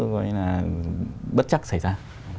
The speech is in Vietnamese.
coi là bất chắc xảy ra